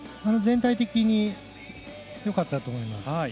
全体的によかったと思います。